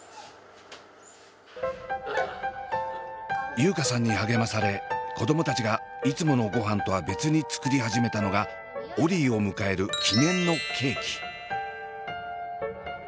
優佳さんに励まされ子供たちがいつものごはんとは別に作り始めたのがオリィを迎える記念のケーキ。